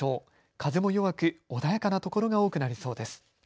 風も弱く穏やかなところが多くなりそうです。